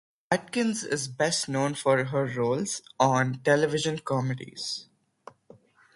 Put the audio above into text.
Atkins is best known for her roles on television comedies.